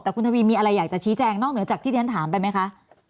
แต่คุณทวีมีอะไรอยากจะชี้แจงนอกเหนือจากที่ที่ฉันถามไปไหมคะ